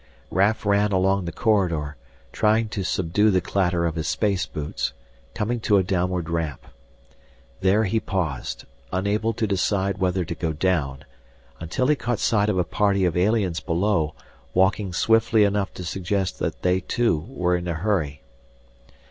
Raf ran along the corridor, trying to subdue the clatter of his space boots, coming to a downward ramp. There he paused, unable to decide whether to go down until he caught sight of a party of aliens below, walking swiftly enough to suggest that they too were in a hurry.